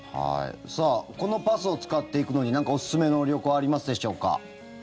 さあ、このパスを使って行くのに何かおすすめの旅行ありますでしょうか。